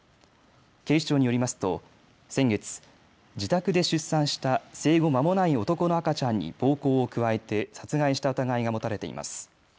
警視庁によりますと先月、自宅で出産した生後まもない男の赤ちゃんに暴行を加えて殺害した疑いが持たれています。